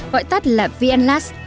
gọi tắt là vnlas